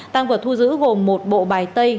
tang vật thu giữ gồm một bộ bài tay